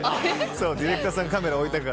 そうディレクターさんカメラ置いたから。